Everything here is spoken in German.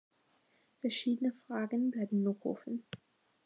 Verschiedene Fragen bleiben noch offen.